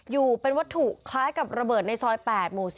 อยู่เป็นวัตถุคล้ายกับระเบิดในซอย๘หมู่๔